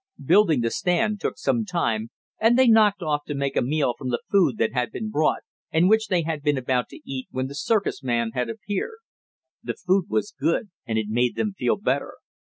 Building the stand took some time, and they knocked off to make a meal from the food that had been brought, and which they had been about to eat when the circus man had appeared. The food was good, and it made them feel better.